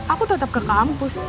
aku tetep ke kampus